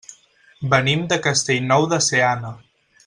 Venim de Castellnou de Seana.